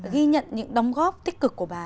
ghi nhận những đóng góp tích cực của bà